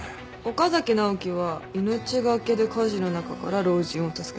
岡崎直樹は命懸けで火事の中から老人を助けた。